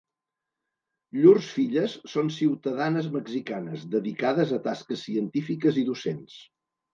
Llurs filles són ciutadanes mexicanes, dedicades a tasques científiques i docents.